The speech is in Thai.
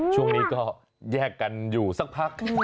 ช่วงนี้ก็แยกกันอยู่สักพัก